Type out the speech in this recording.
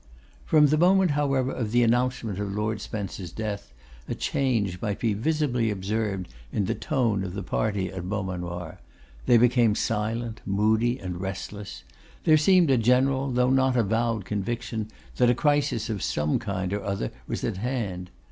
From the moment, however, of the announcement of Lord Spencer's death, a change might be visibly observed in the tone of the party at Beaumanoir. They became silent, moody, and restless. There seemed a general, though not avowed, conviction that a crisis of some kind or other was at hand.